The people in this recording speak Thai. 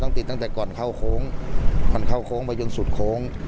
ติดตั้งแต่ก่อนเข้าโค้งมันเข้าโค้งไปจนสุดโค้ง